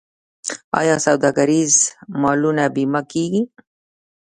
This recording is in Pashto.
آیا سوداګریز مالونه بیمه کیږي؟